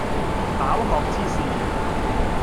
飽學之士